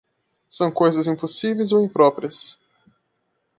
São coisas impossíveis ou impróprias.